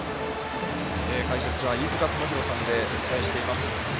解説は飯塚智広さんでお伝えしています。